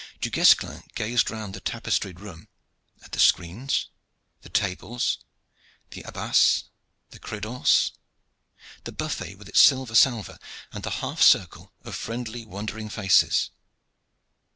Du Guesclin gazed round the tapestried room, at the screens, the tables, the abace, the credence, the buffet with its silver salver, and the half circle of friendly, wondering faces.